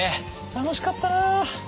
楽しかったな。